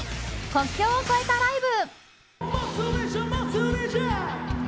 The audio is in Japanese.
国境を越えたライブ。